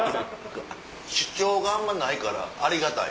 主張があんまないからありがたい。